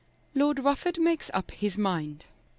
LORD RUFFORD MAKES UP HIS MIND.